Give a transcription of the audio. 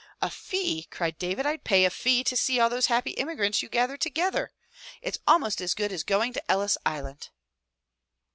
"A fee!" cried David. "I'd pay a fee to see all those happy immigrants you gather together. It's almost as good as going to Ellis Island."